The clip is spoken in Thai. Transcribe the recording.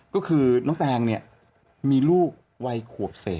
ก็คือน้องแฟงเนี่ยมีลูกวัยขวบเศษ